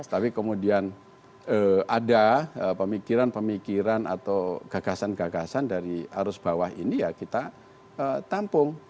tapi kemudian ada pemikiran pemikiran atau gagasan gagasan dari arus bawah ini ya kita tampung